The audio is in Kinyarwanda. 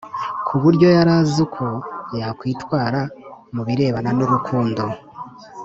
ku buryo yari azi uko yakwitwara mu birebana n urukundo